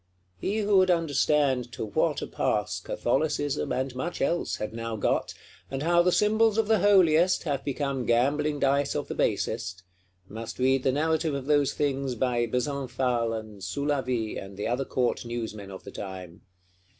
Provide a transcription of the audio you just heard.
He who would understand to what a pass Catholicism, and much else, had now got; and how the symbols of the Holiest have become gambling dice of the Basest,—must read the narrative of those things by Besenval, and Soulavie, and the other Court Newsmen of the time.